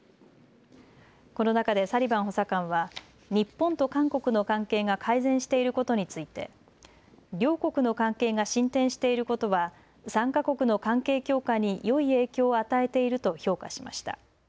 この中でサリバン補佐官は日本と韓国の関係が改善していることについて両国の関係が進展していることは３か国の関係強化によい影響を与えていると評価しました。